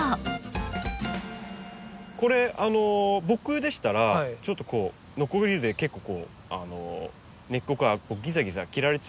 これ僕でしたらちょっとこうノコギリで結構根っこがギザギザ切られちゃうじゃないですか。